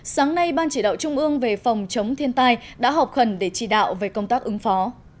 sáng nay ban chỉ đạo trung ương về phòng chống thiên tai đã họp khẩn để chỉ đạo về công tác ứng phó